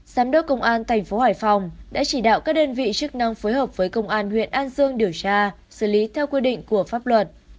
giám đốc công an tp hải phòng đã chỉ đạo các đơn vị chức năng phối hợp với công an huyện an dương điều tra xử lý theo quy định của pháp luật